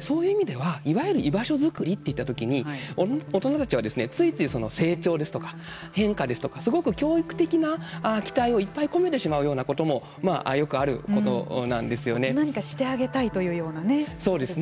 そういう意味ではいわゆる居場所づくりといったときに大人たちはついつい成長ですとか変化ですとかすごく教育的な期待をいっぱい込めてしまうようなことも何かしてあげたいそうです。